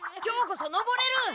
今日こそ登れる！